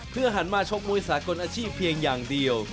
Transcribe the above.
หันมาชกมวยสากลอาชีพเพียงอย่างเดียว